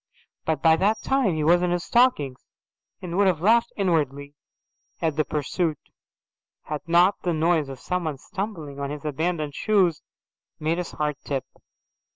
But by that time he was in his stockings and would have laughed inwardly at the pursuit had not the noise of someone stumbling on his abandoned shoes made his heart trip.